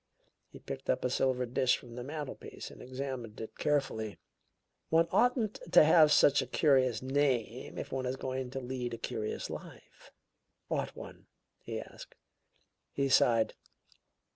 He picked up a silver dish from the mantelpiece and examined it carefully. "One oughtn't to have such a curious name if one is going to lead a curious life, ought one?" he asked. He sighed.